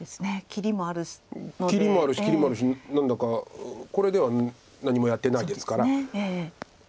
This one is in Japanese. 切りもあるし切りもあるし何だかこれでは何もやってないですから。